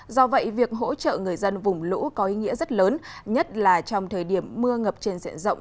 do vậy việc hỗ trợ người dân vùng lũ có ý nghĩa rất lớn nhất là trong thời điểm mưa ngập trên diện rộng